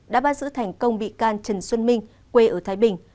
đã bắt giữ thành công bị can trần xuân minh quê ở thái bình